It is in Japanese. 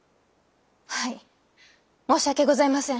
はい申し訳ございません。